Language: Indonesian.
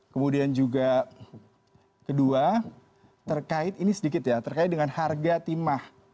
kemudian juga kedua terkait ini sedikit ya terkait dengan harga timah